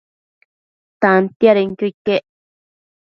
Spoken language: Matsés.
Tantiadenquio iquec